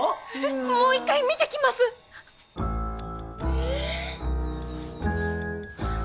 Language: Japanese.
ももう一回見てきます！え？